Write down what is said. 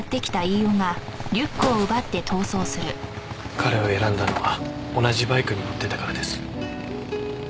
彼を選んだのは同じバイクに乗ってたからです。